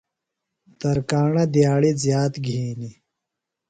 تراکݨہ دِیاڑیۡ زِیات گِھینیۡ۔